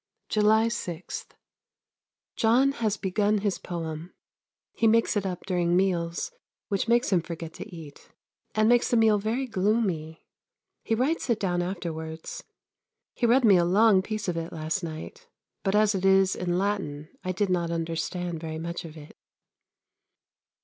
July 6. John has begun his poem. He makes it up during meals, which makes him forget to eat, and makes the meal very gloomy; he writes it down afterwards. He read me a long piece of it last night; but as it is in Latin I did not understand very much of it.